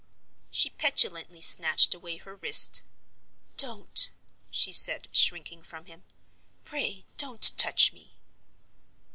She petulantly snatched away her wrist. "Don't!" she said, shrinking from him. "Pray don't touch me!"